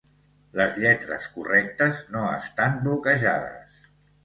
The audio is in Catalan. Les lletres correctes no estan "bloquejades".